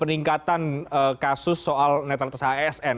peningkatan kasus soal netralitas asn